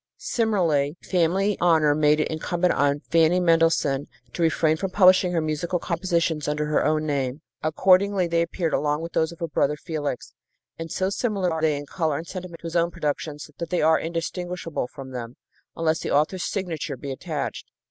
Similarly, family honor made it incumbent on Fanny Mendelssohn to refrain from publishing her musical compositions under her own name. Accordingly, they appeared along with those of her brother Felix, and so similar are they in color and sentiment to his own productions that they are indistinguishable from them, unless the author's signature be attached.